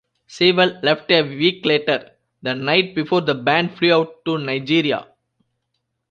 Seiwell left a week later, the night before the band flew out to Nigeria.